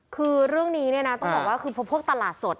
คือเรื่องนี้ต้องบอกว่าพวกตลาดสด